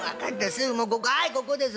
すぐもうここはいここです。